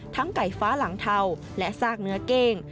ทั้งไก่ฟ้าหลังเทาและสร้างเนื้อเก้ง